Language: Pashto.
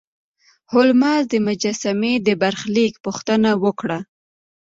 هولمز د مجسمې د برخلیک پوښتنه وکړه.